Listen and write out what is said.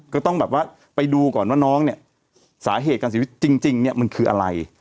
ก็ต้องแบบว่าไปดูก่อนว่าน้องเนี่ยสาเหตุการเสียชีวิตจริงเนี่ยมันคืออะไร